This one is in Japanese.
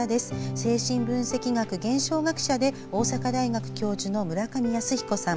精神分析学・現象学者で大阪大学教授の村上靖彦さん。